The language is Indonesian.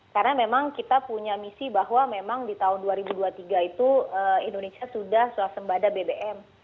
karena memang kita punya misi bahwa memang di tahun dua ribu dua puluh tiga itu indonesia sudah selesai sembada bbm